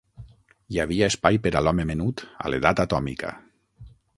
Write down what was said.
Hi havia espai per a l'home menut a l'edat atòmica.